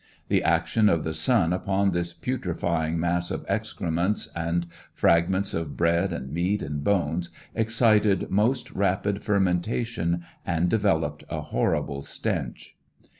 The action of the sun upon this putrefying mass of excrements and frag ments of bread and meat and bones excited most rapid fermentation and developed a horrible stench.